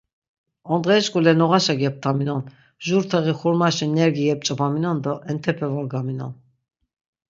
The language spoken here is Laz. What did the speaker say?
Ondğeri şk̆ule noğaşa geptaminon, jur teği xurmaşi nergi yep̆ç̆opaminon do entepe vorgaminon.